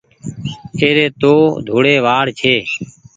اي ري تو ڌوڙي وآڙ ڇي۔